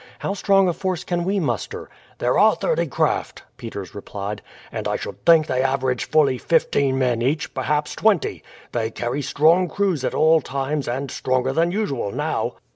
How strong a force can we muster?" "There are thirty craft," Peters replied; "and I should think they average fully fifteen men each perhaps twenty. They carry strong crews at all times, and stronger than usual now."